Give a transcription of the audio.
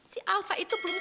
si alva itu belum sampai